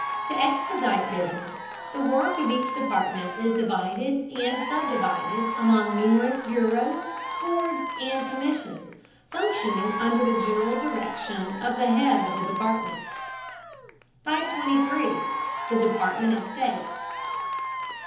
To expedite business, the work of each department is divided and subdivided among numerous bureaus, boards, and commissions, functioning under the general direction of the head of the department. 523. THE DEPARTMENT OF STATE.